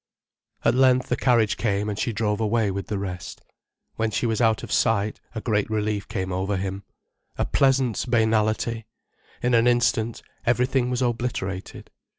At length the carriage came and she drove away with the rest. When she was out of sight, a great relief came over him, a pleasant banality. In an instant, everything was obliterated.